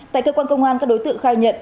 tại cơ quan công an các đối tượng khai nhận